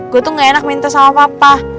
gue tuh gak enak minta sama papa